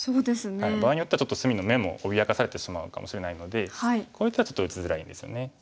場合によってはちょっと隅の眼も脅かされてしまうかもしれないのでこういう手はちょっと打ちづらいんですよね。